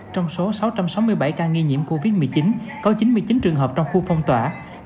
trong số sáu trăm sáu mươi bảy ca nghi nhiễm covid một mươi chín có chín mươi chín trường hợp trong khu phong tỏa